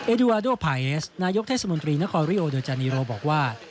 ดูอาโดไผเอสนายกเทศมนตรีนครริโอเดอร์จานีโรบอกว่า